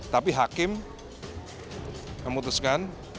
tapi hakim memutuskan